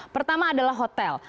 pertama adalah hotel